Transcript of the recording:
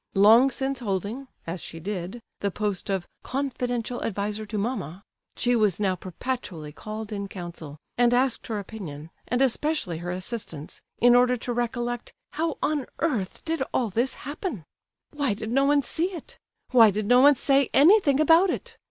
Long since holding, as she did, the post of "confidential adviser to mamma," she was now perpetually called in council, and asked her opinion, and especially her assistance, in order to recollect "how on earth all this happened?" Why did no one see it? Why did no one say anything about it?